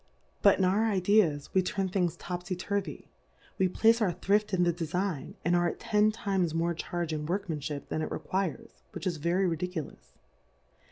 But in our Ideas we turn Things topfy turvy, we place our thrift in the Defign, and ai*e at ten times more Charge in WorkmanPnip than it requires, which is very ridiculous.